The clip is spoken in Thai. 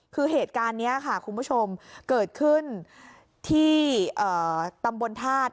คือเหตุการณ์นี้ค่ะคุณผู้ชมเกิดขึ้นที่ตำบลธาตุ